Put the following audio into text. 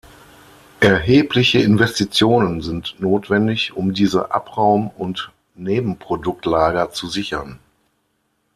Erhebliche Investitionen sind notwendig, um diese Abraum- und Nebenprodukt-Lager zu sichern.